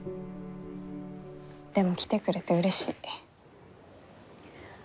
でも来てくれてうれしい。